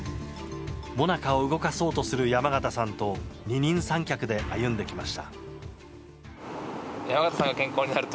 ＭＯＮＡＣＡを動かそうとする山縣さんと二人三脚で歩んできました。